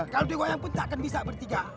kalau digoyang pun tak akan bisa bertiga